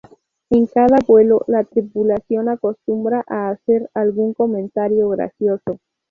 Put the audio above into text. En cada vuelo la tripulación acostumbra a hacer algún comentario gracioso.